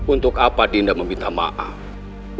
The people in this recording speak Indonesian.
untuk apa dinda meminta maaf